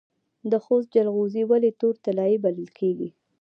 د خوست جلغوزي ولې تور طلایی بلل کیږي؟